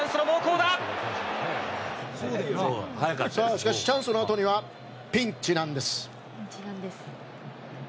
しかしチャンスのあとにはピンチなんです。